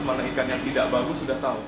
mana ikan yang tidak bagus sudah tahu